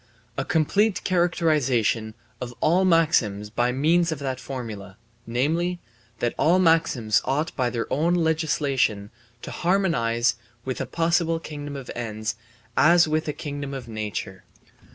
A complete characterization of all maxims by means of that formula, namely, that all maxims ought by their own legislation to harmonize with a possible kingdom of ends as with a kingdom of nature.